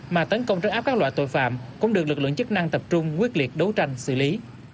mà tấn công trấn áp các loại tội phạm cũng được lực lượng chức năng tập trung quyết liệt đấu tranh xử lý